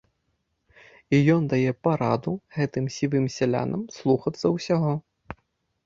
І ён дае параду гэтым сівым сялянам слухацца ўсяго.